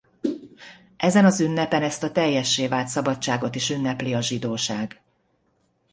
Ezen az ünnepen ezt a teljessé vált szabadságot is ünnepli a zsidóság.